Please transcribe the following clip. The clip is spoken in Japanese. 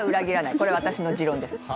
これは私の持論です。